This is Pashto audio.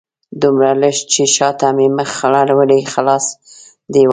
دومره لږ چې شاته مې مخ اړولی خلاص دې وای